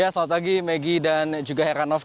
selamat pagi maggie dan juga heranov